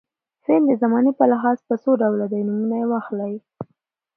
فعل د زمانې په لحاظ په څو ډوله دی نومونه واخلئ.